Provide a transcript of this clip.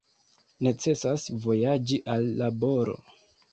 Necesas vojaĝi al laboro.